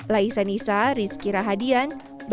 laisan isha rizky rahadian